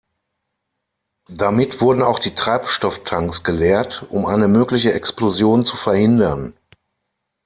Damit wurden auch die Treibstofftanks geleert, um eine mögliche Explosion zu verhindern.